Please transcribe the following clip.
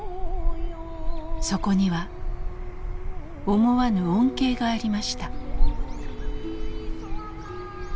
そこには思わぬ恩恵がありました。